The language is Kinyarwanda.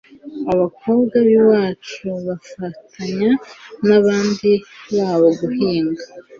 abakobwa b'iwacu bafatanya n'abandi babo guhinga